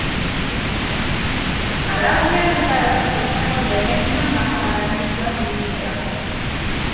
Alabaina, ez da erraza izango, defentsan baja garrantzitsuak dituztelako.